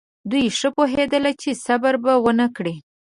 دوی ښه پوهېدل چې صبر به ونه کړي.